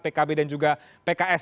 pkb dan juga pks